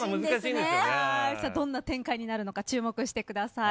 どんな展開になるのか注目してください。